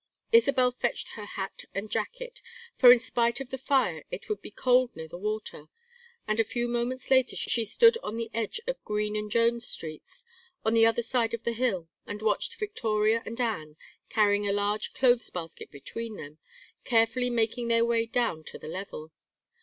Isabel fetched her hat and jacket, for in spite of the fire it would be cold near the water; and a few moments later she stood on the edge of Green and Jones streets, on the other side of the hill, and watched Victoria and Anne, carrying a large clothes basket between them, carefully making their way down to the level.